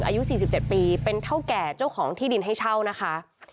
อายุ๔๗ปีเป็นเท่าแก่เจ้าของที่ดินให้เช่านะคะ